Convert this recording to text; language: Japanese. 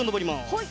はい！